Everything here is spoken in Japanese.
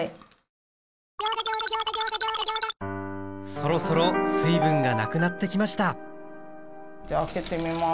そろそろ水分がなくなってきました開けてみます。